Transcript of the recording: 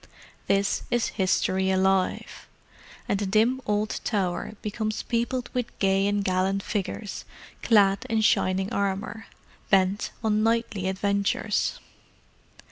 This is history alive, and the dim old Tower becomes peopled with gay and gallant figures clad in shining armour, bent on knightly adventures.